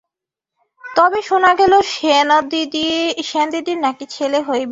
তবে শোনা গেল, সেনদিদির নাকি ছেলে হইবে।